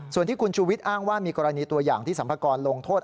ส่วนที่คุณชูวิทย์อ้างว่ามีกรณีตัวอย่างที่สัมภากรลงโทษ